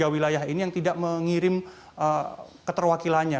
tiga wilayah ini yang tidak mengirim keterwakilannya